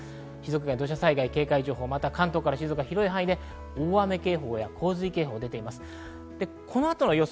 土砂災害警戒情報、関東から静岡の広い範囲で大雨警報や洪水警報も出ています。